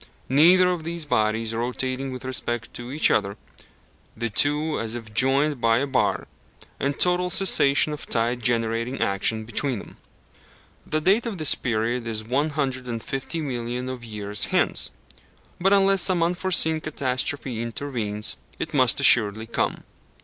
Neither of these bodies rotating with respect to each other the two as if joined by a bar and total cessation of tide generating action between them. The date of this period is one hundred and fifty millions of years hence, but unless some unforeseen catastrophe intervenes, it must assuredly come.